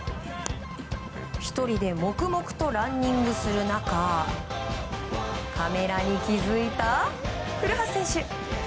１人で黙々とランニングする中カメラに気づいた古橋選手。